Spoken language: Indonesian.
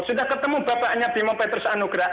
sudah ketemu bapaknya bimo petrus anugrah